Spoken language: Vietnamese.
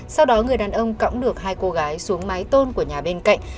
sau đó người đàn ông cõng được hai cô gái xuống mái tôn của nhà bên cạnh